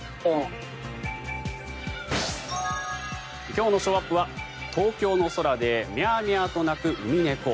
今日のショーアップは東京の空でミャーミャーと鳴くウミネコ。